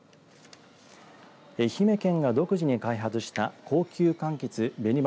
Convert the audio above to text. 愛媛県が独自に開発した高級かんきつ、紅ま